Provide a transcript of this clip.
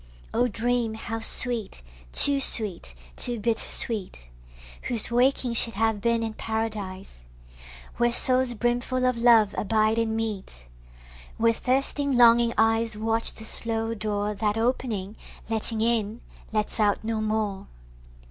Oh dream how sweet, to sweet, too bitter sweet, Whose waking should have been in Paradise, Where souls brimfull of love abide and meet; Where thirsting longing eyes Watch the slow door That opening, letting in, lets out no more.